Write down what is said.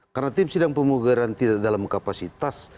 karena tim sindang pembugaran tidak dalam kapasitas